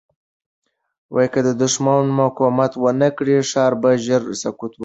که دښمن مقاومت ونه کړي، ښار به ژر سقوط وکړي.